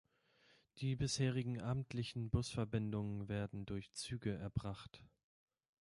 Die bisherigen abendlichen Busverbindungen werden durch Züge erbracht.